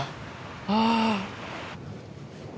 ああ。